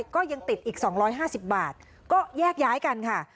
ก็ยังติดอีก๒๕๐บาทก็แยกย้ายกันค่ะ